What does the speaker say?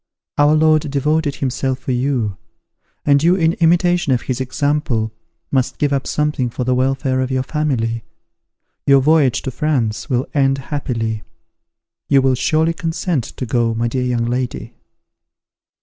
Our Lord devoted himself for you; and you in imitation of his example, must give up something for the welfare of your family. Your voyage to France will end happily. You will surely consent to go, my dear young lady."